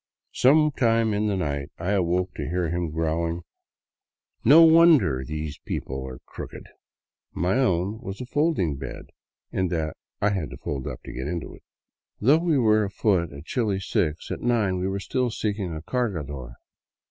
'' Sometime in the night I awoke to hear him growling, " No wonder 44 » FROM BOGOTA OVER THE QUINDIO these people are crooked !" My own was a folding bed — in that 1 had to fold up to get into it. Though we were afoot at chilly six, at nine we were still seeking a cargador.